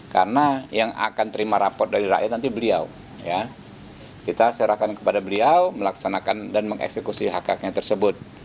kita serahkan kepada beliau melaksanakan dan mengeksekusi hak haknya tersebut